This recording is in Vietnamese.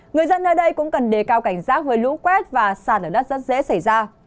người dân ở đây cũng cần đề cao cảnh sát với lũ quét và sạt lửa đất rất dễ xảy ra